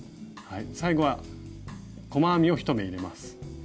最後は細編みを１目入れます。